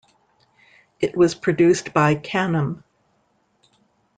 It was produced by Canham.